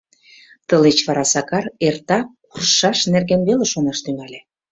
Тылеч вара Сакар эртак куржшаш нерген веле шонаш тӱҥале.